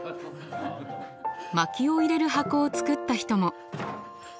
まきを入れる箱を作った人も。